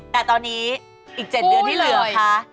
แต่ตอนนี้อีก๗เดือนที่เหลือค่ะปุ๊ยเลย